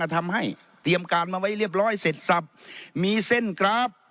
ทำให้เตรียมการมาไว้เรียบร้อยเสร็จสับมีเส้นกราฟ